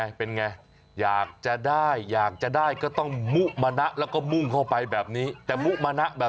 ขโมยอะไรไปดูฮะเป็นแสนนะ